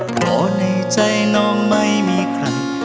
เพราะในใจน้องไม่มีครั้ง